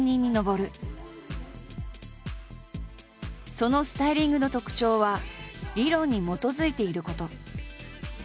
そのスタイリングの特徴は理論に基づいていること。